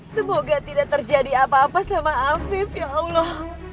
semoga tidak terjadi apa apa sama afif ya allah